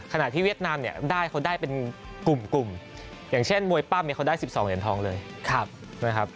ขนาดที่เวียดนามเนี่ยได้เค้าได้เป็นกลุ่มกลุ่มอย่างเช่นมวยปั้มก็ได้๑๒เหรียญทองเลยครับนะครับ